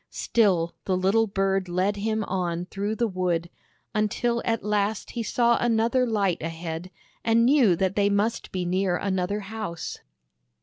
Still the little bird led him on through the wood, until at last he saw another light ahead, and knew that they must be near another house.